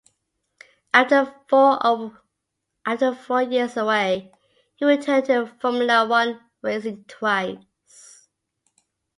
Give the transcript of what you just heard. After four years away, he returned to Formula One, racing twice.